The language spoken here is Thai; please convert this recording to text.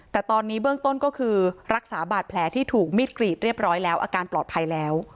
แต่ตอนนี้เบื้องต้นก็คือรักษาบาดแผลที่ถูกมีดกรีดเรียบร้อยแล้วอาการปลอดภัยแล้ว